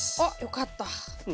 あっよかった。